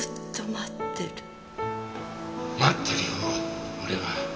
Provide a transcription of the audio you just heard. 待ってるよ俺は。